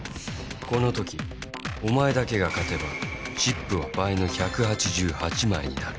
このときお前だけが勝てばチップは倍の１８８枚になる。